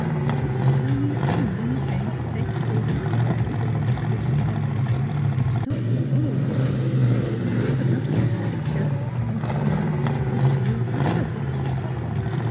*' You tell me — a man came to take Sylvia away ? Stop ! I do not follow you. What is this about a picture and — someone who spoke to you — of us?